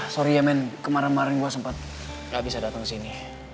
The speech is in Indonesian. sorry ya men kemaren maren gue sempet gak bisa dateng kesini